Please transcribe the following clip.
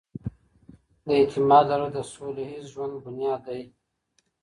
د اعتماد لرل د سوله ييز ژوند بنياد دی.